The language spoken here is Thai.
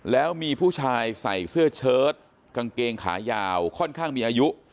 แล้วมีผู้ชายใส่เสื้อเชิดกางเกงขายาวค่อนข้างมีอายุ